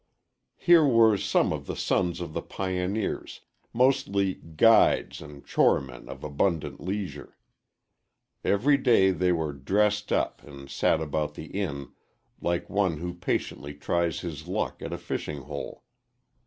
Here were some of the sons of the pioneers mostly "guides" and choremen of abundant leisure. Every day they were "dressed up," and sat about the inn like one who patiently tries his luck at a fishing hole.